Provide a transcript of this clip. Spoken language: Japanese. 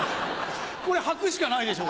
履くしかないでしょ